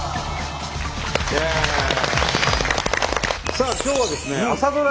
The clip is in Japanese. さあ今日はですね朝ドラ